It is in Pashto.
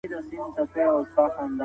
د شیدو استعمال هډوکي پیاوړي کوي.